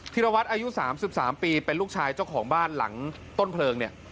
ธิรวัตรอายุ๓๓ปีเป็นลูกชายเจ้าของบ้านหลังต้นเพลิงเนี่ย